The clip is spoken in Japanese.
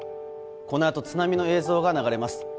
このあと津波の映像が流れます。